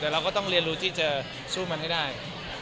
แต่เราก็ต้องเรียนรู้ที่จะสู้มันให้ได้